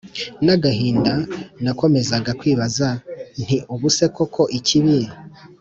n agahinda Nakomezaga kwibaza nti ubu se koko ikibi